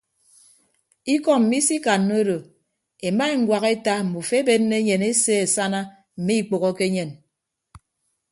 Ikọ mmi isikanna odo ema eñwak eta ndufo ebenne enyen ese asana mme ikpәhoke enyen.